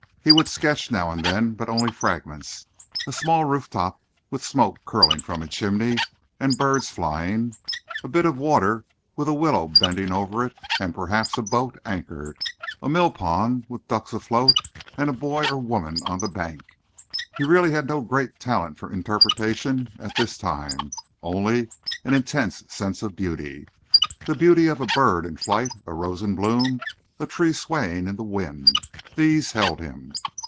He would sketch now and then, but only fragments a small roof top, with smoke curling from a chimney and birds flying; a bit of water with a willow bending over it and perhaps a boat anchored; a mill pond with ducks afloat, and a boy or woman on the bank. He really had no great talent for interpretation at this time, only an intense sense of beauty. The beauty of a bird in flight, a rose in bloom, a tree swaying in the wind these held him.